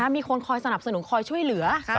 มีคนคอยสนับสนุนคอยช่วยเหลือ